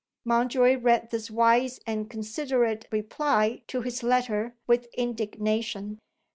Mountjoy read this wise and considerate reply to his letter with indignation.